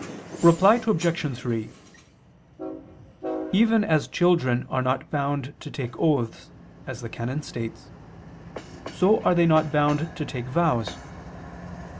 Reply Obj. 3: Even as children are not bound to take oaths (as the canon states), so are they not bound to take vows.